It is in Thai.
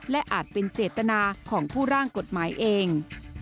และอาจเป็นเจตนาของผู้ร่างกฎหมายเอง